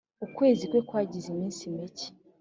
ukwezi kwe kwagize iminsi mike